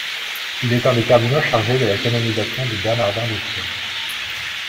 Il est un des cardinaux chargés de la canonisation de Bernardin de Sienne.